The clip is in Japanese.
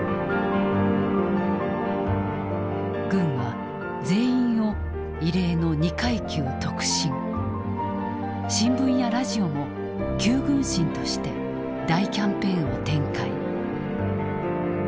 軍は全員を異例の二階級特進新聞やラジオも「九軍神」として大キャンペーンを展開。